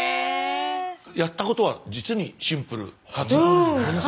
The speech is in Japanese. やったことは実にシンプルかつ。